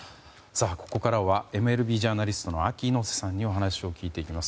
ここからはＭＬＢジャーナリストＡＫＩ猪瀬さんにお話を聞いていきます。